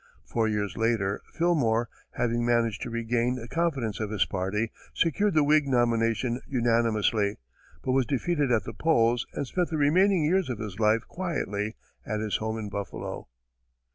Four years later, Fillmore, having managed to regain, the confidence of his party, secured the Whig nomination unanimously, but was defeated at the polls, and spent the remaining years of his life quietly at his home in Buffalo.